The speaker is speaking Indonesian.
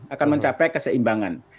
akan mencapai keseimbangan